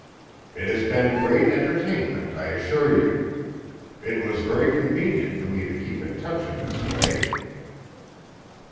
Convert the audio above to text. "It has been great entertainment, I assure you. It was very convenient for me to keep in touch in this way."